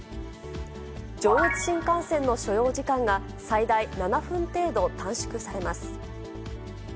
上越新幹線の所要時間が、最大７分程度短縮されます。